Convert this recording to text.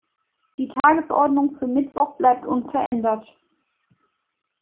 Die Tagesordnung für Mittwoch bleibt unverändert.